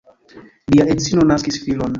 Lia edzino naskis filon.